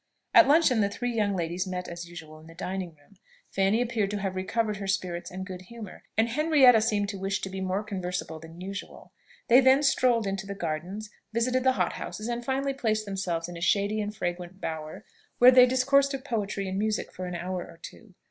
At luncheon the three young ladies met as usual in the dining room: Fanny appeared to have recovered her spirits and good humour, and Henrietta seemed to wish to be more conversable than usual. They then strolled into the gardens, visited the hothouses, and finally placed themselves in a shady and fragrant bower, where they discoursed of poetry and music for an hour or two.